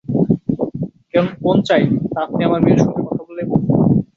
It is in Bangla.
কোন চাই, তা আপনি আমার মেয়ের সঙ্গে কথা বললেই বুঝবেন।